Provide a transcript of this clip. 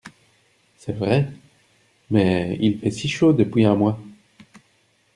C’est vrai… mais il fait si chaud depuis un mois !